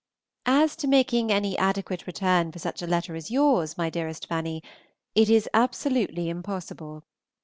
AS to making any adequate return for such a letter as yours, my dearest Fanny, it is absolutely impossible.